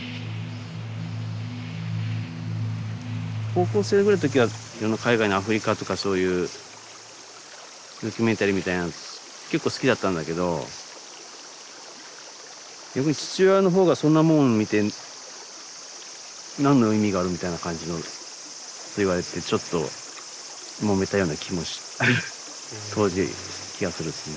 高校生ぐらいの時は海外のアフリカとかそういうドキュメンタリーみたいなの結構好きだったんだけど逆に父親のほうがそんなもん見て何の意味があるみたいな感じのって言われてちょっともめたような気も当時気がするっすね。